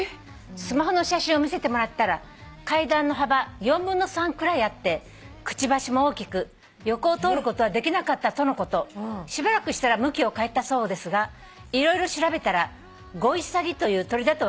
「スマホの写真を見せてもらったら階段の幅４分の３くらいあってくちばしも大きく横を通ることはできなかったとのこと」「しばらくしたら向きを変えたそうですが色々調べたらゴイサギという鳥だと分かったそうです」